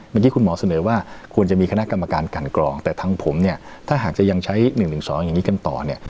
เมื่อกี้คุณหมอเสนอว่าควรจะมีคณะกรรมการกันกรองแต่ทั้งผมเนี่ยถ้าหากจะยังใช้๑๑๒อย่างนี้กันต่อเนี่ย